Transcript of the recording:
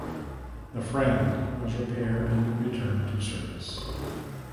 The "Friend" was repaired and returned to service.